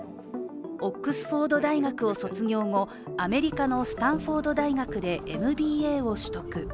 オックスフォード大学を卒業後、アメリカのスタンフォード大学でＭＢＡを取得。